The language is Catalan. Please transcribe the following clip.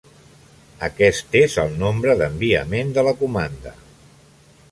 Aquest és el nombre d'enviament de la comanda.